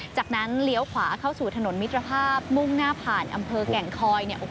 จากนั้นเลี้ยวขวาเข้าสู่ถนนมิตรภาพมุ่งหน้าผ่านอำเภอแก่งคอย